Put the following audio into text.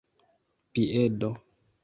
piedo